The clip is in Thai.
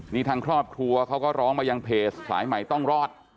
นี่ทางครอบครัวเขาก็ร้องมายังเพจสายใหม่ต้องรอด